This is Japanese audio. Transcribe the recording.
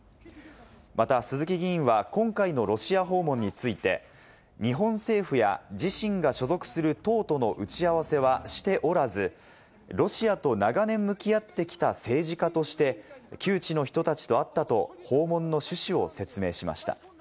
また鈴木議員は、今回のロシア訪問について日本政府や自身が所属する党との打ち合わせはしておらず、ロシアと長年向き合ってきた政治家として旧知の人たちと会ったと訪問の趣旨を説明しました。